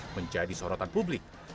menjadi sorotan publik